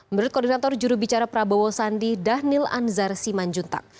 menurut koordinator juru bicara prabowo sandi dhanil anzar simanjuntak